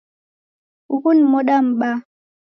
Ughu ni moda mbaa